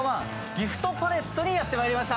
ギフトパレットにやってまいりました。